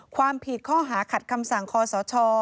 ความผิดข้อหาขัดคำสั่งคอสช